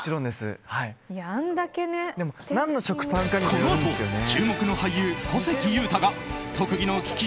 このあと、注目の俳優小関裕太が特技の利き